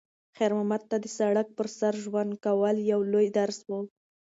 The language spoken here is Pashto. خیر محمد ته د سړک پر سر ژوند کول یو لوی درس و.